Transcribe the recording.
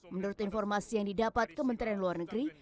menurut informasi yang didapat kementerian luar negeri